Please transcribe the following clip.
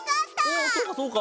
おおそうかそうか。